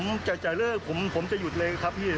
ผมจ่ายเลิกผมจะหยุดเลยครับพี่